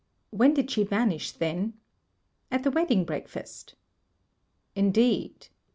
"When did she vanish, then?" "At the wedding breakfast." "Indeed.